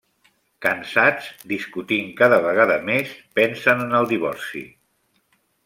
Cansats, discutint cada vegada més, pensen en el divorci.